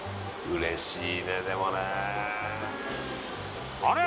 うれしいねでもねあれ？